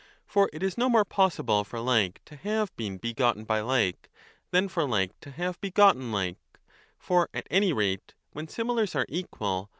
For it is no more possible for like to have been begotten by like than for like to have begotten like (for at any rate when similars are equal, all the same 1 Reading eTnirpoo deaiv.